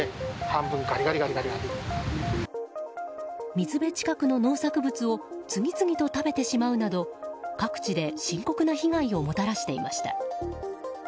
水辺近くの農作物を次々と食べてしまうなど各地で深刻な被害をもたらしていました。